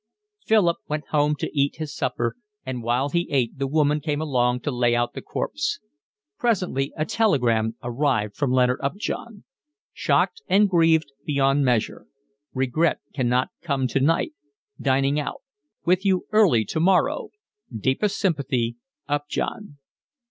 Philip went home to eat his supper, and while he ate the woman came along to lay out the corpse. Presently a telegram arrived from Leonard Upjohn. Shocked and grieved beyond measure. Regret cannot come tonight. Dining out. With you early tomorrow. Deepest sympathy. Upjohn.